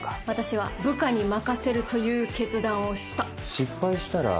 私は部下に任せるという決断をした。